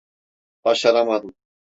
Başaramadım.